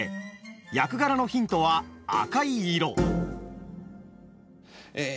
役柄のヒントは赤い色。